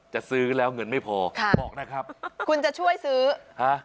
จะซื้อแล้วเงินไม่พอค่ะบอกนะครับคุณจะช่วยซื้อฮะ